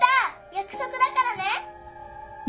約束だからね。